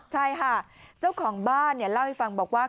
ใช่ค่ะเจ้าของบ้านเล่าให้ฟังบอกว่า